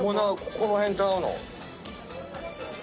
この辺ちゃうの？